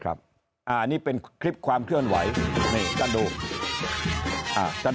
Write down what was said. ครับอานี้เป็นคลิปความเทื่อนไหวนี่ต้านดูอ่าต้าน